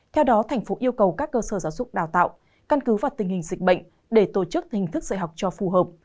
theo đó thành phố yêu cầu các cơ sở giáo dục đào tạo căn cứ vào tình hình dịch bệnh để tổ chức hình thức dạy học cho phù hợp